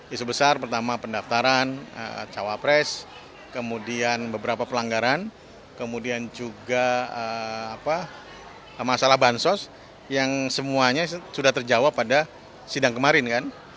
isu besar pertama pendaftaran cawapres kemudian beberapa pelanggaran kemudian juga masalah bansos yang semuanya sudah terjawab pada sidang kemarin kan